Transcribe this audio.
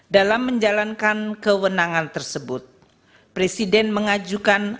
dalam menjalankan kewenangan tersebut presiden mengajukan